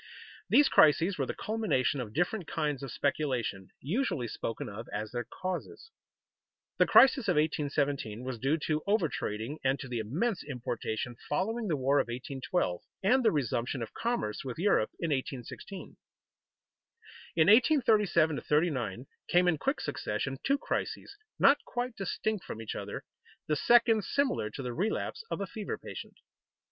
These crises were the culmination of different kinds of speculation, usually spoken of as their causes. The crisis of 1817 was due to over trading and to the immense importation following the war of 1812 and the resumption of commerce with Europe in 1816. In 1837 39 came in quick succession two crises, not quite distinct from each other, the second similar to the relapse of a fever patient.